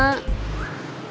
kita kan membeli hape baru